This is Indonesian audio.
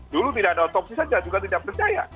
dulu tidak ada otopsi saja juga tidak percaya